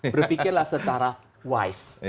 berpikirlah secara wise